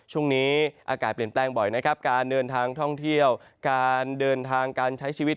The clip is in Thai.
ช่วงนี้อากาศเปลี่ยนแปลงบ่อยนะครับการเดินทางท่องเที่ยวการเดินทางการใช้ชีวิต